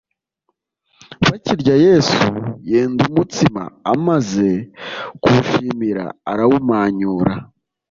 Bakirya Yesu yenda umutsima amaze kuwushimira arawumanyura,